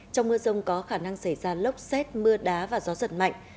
trong mưa rông có khả năng xảy ra lốc xét mưa đá và gió giật mạnh